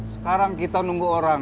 sekarang kita nunggu orang